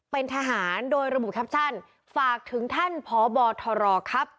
เป็นทหารโดยระบุแคปชั่นฝากถึงท่านพบทรครับ